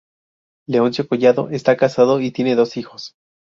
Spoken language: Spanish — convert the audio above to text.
Leoncio Collado está casado y tiene dos hijos.